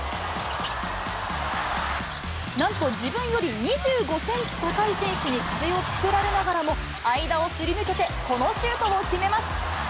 なんと自分より２５センチ高い選手に壁を作られながらも、間をすり抜けてこのシュートを決めます。